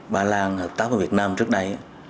ba lan hợp tác với việt nam trước đây